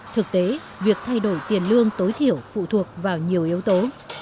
thực tế việc thay đổi tiền lương tối thiểu phụ thuộc vào nhiều yếu tố